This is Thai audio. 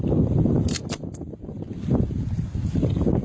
โอ้ยยยยยย